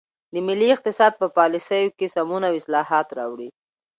د ملي اقتصاد په پالیسیو کې سمون او اصلاحات راوړي.